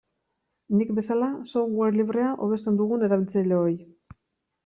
Nik bezala software librea hobesten dugun erabiltzaileoi.